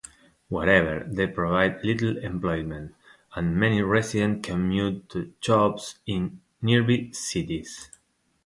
However, they provide little employment, and many residents commute to jobs in nearby cities.